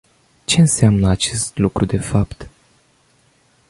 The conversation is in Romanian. Ce înseamnă acest lucru de fapt?